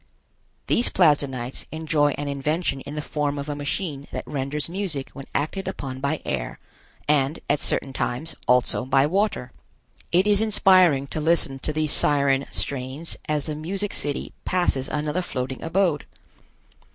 These Plasdenites enjoy an invention in the form of a machine that renders music when acted upon by air, and, at certain times, also by water. It is inspiring to listen to these Siren strains as the music city passes another floating abode.